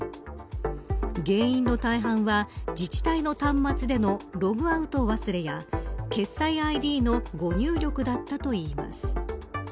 原因の大半は自治体の端末でのログアウト忘れや決済ＩＤの語入力だったといいます。